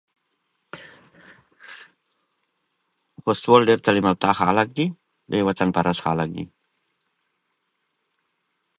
رسوب د افغانستان د اوږدمهاله پایښت لپاره مهم رول لري.